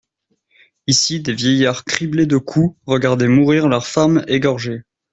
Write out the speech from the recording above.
Ici des vieillards criblés de coups regardaient mourir leurs femmes égorgées.